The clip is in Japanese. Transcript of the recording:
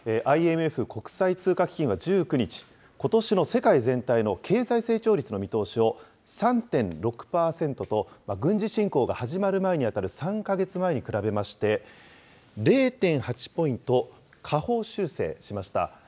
ＩＭＦ・国際通貨基金は１９日、ことしの世界全体の経済成長率の見通しを３．６％と、軍事侵攻が始まる前に当たる３か月前に比べまして、０．８ポイント下方修正しました。